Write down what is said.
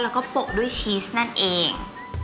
แล้วก็ปกด้วยชีสนั่นเอง